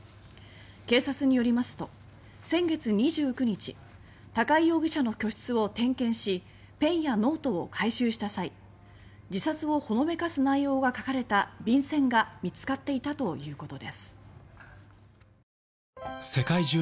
警察によりますと、先月２９日高井容疑者の居室を点検しペンやノートを回収した際自殺をほのめかす内容が書かれた便せんが見つかっていたということです。